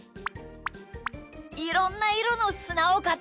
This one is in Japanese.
いろんないろのすなをかってきたんだ。